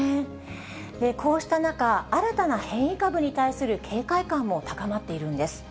こうした中、新たな変異株に対する警戒感も高まっているんです。